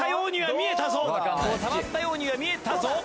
触ったようには見えたぞ。